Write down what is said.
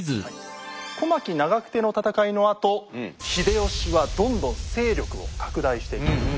小牧・長久手の戦いのあと秀吉はどんどん勢力を拡大していきます。